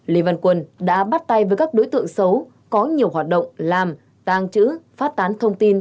lê văn quân đã bắt tay với các đối tượng xấu có nhiều hoạt động làm tàng trữ phát tán thông tin